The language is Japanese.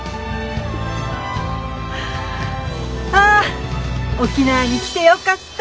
あ沖縄に来てよかった！